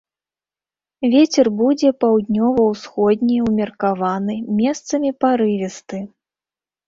Вецер будзе паўднёва-ўсходні ўмеркаваны, месцамі парывісты.